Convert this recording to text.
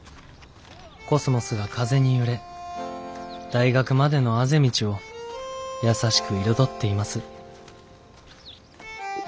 コスモスが風に揺れ大学までのあぜ道を優しく彩っています」。